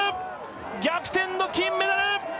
逆転の金メダル！